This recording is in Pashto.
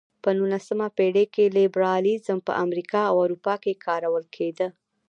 په نولسمه پېړۍ کې لېبرالیزم په امریکا او اروپا کې کارول کېده.